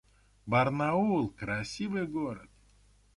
Барнаул — красивый город